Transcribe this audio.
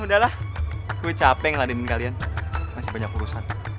udah lah gue capek ngeladainin kalian masih banyak urusan